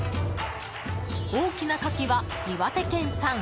大きなカキは岩手県産。